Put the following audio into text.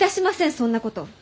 そんなこと。